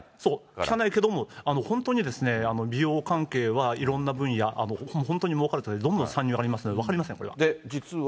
きかないけれども、本当に美容関係はいろんな分野、本当にもうかるということで、どんどん参入がありますので分かりで、実は。